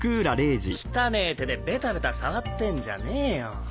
汚ねえ手でベタベタ触ってんじゃねえよ！